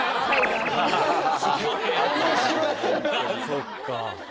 そっか。